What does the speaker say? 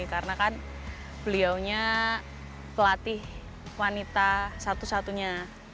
karena kan beliaunya pelatih wanita satu satunya